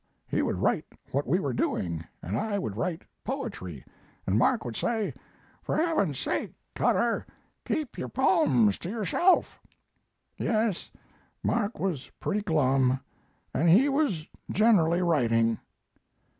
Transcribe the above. He would write what we were doing, and I would write poetry, and Mark would say: "'For Heaven's sake, Cutter, keep your poems to yourself.' "Yes, Mark was pretty glum, and he was generally writing."